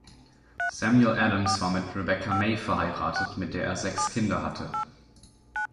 Samuel Adams war mit Rebecca May verheiratet, mit der er sechs Kinder hatte.